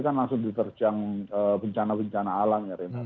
dan langsung diperjang bencana bencana alam